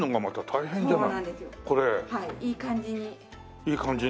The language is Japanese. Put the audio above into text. いい感じに。